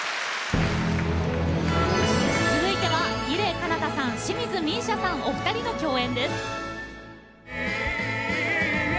続いては伊礼彼方さん、清水美依紗さんお二人の共演です。